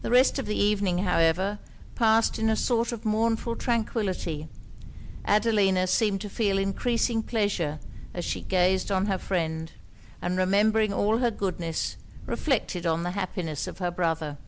The rest of the evening, however, passed in a sort of mournful tranquillity Adelina seemed to feel encreasing pleasure as she gazed on her friend; and remembering all her goodness, reflected on the happiness of her brother.